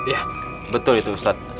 iya betul itu ustadz